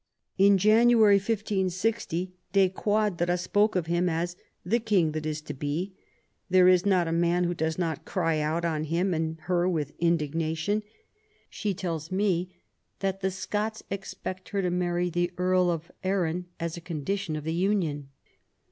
In January, 1560, De Quadra spoke of him as "the King that is to be. There is not a man who does not cry out on him and her with indignation. She tells me that the Scots expect her to marry the Earl of Arran as a condition of the union.